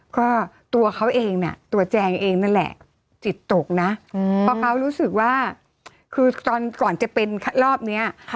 ก็ตัวเขาเองเนี่ยตัวแจงเองนั่นแหละจิตตกนะเพราะเขารู้สึกว่าคือตอนก่อนจะเป็นรอบนี้